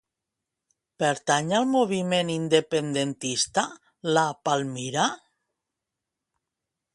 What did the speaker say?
Pertany al moviment independentista la Palmira?